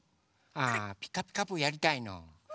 あ「ピカピカブ！」やりたいの？